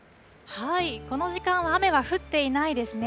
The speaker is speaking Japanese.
この時間、雨は降っていないですね。